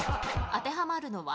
当てはまるのは？